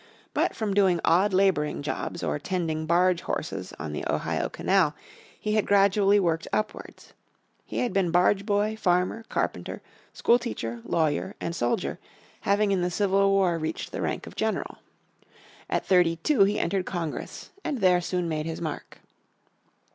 But from doing odd labouring jobs, or tending barge horses on the Ohio Canal, he had gradually worked upwards. He had been barge boy, farmer, carpenter, school teacher, lawyer and soldier, having in the Civil War reached the rank of general. At thirty two he entered Congress, and there soon made his mark.